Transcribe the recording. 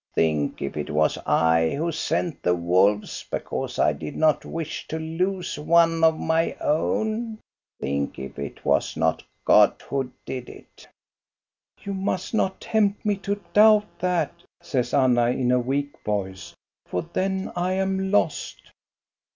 Think, if it was I who sent the wolves, because I did not wish to lose one of my own ! Think, if it was not God who did it !" "You must not tempt me to doubt that," says Anna, in a weak voice, "for then I am lost."